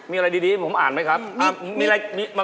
มีอะไรดีผมอ่านไหมครับ